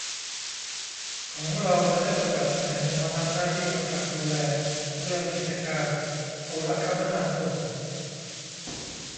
ของเราจะได้คนแบบไหนมาทำหน้าที่กำกับดูแลเรื่องกิจการโทรคมนาคม